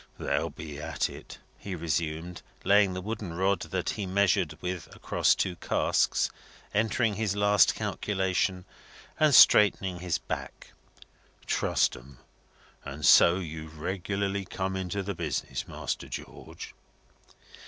"They'll be at it," he resumed, laying the wooden rod that he measured with across two casks, entering his last calculation, and straightening his back, "trust 'em! And so you've regularly come into the business, Master George?"